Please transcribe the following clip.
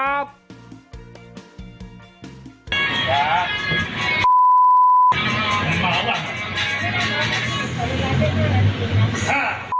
สวัสดีค่ะ